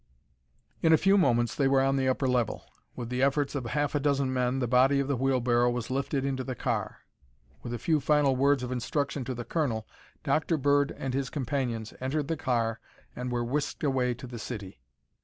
In a few moments they were on the upper level. With the efforts of half a dozen men, the body of the wheelbarrow was lifted into the car. With a few final words of instruction to the colonel, Dr. Bird and his companions entered the car and were whisked away to the city.